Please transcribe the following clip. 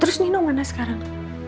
terus nino mana sekarang